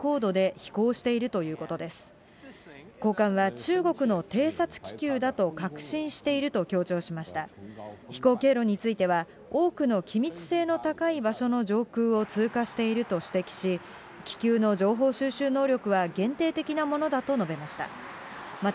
飛行経路については、多くの機密性の高い場所の上空を通過していると指摘し、気球の情報収集能力は限定的なものだと述べました。